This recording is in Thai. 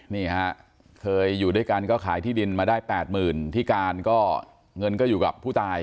นี่ฮะเคยอยู่ด้วยกันก็ขายที่ดินมาได้๘๐๐๐ที่การก็เงินก็อยู่กับผู้ตาย